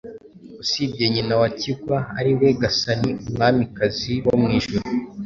usibye Nyina wa Kigwa, ari we Gasani, Umwamikazi wo mw'Ijuru,